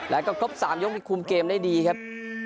แล้วก็ครบ๓ยกที่คุมเกมได้ดีครับ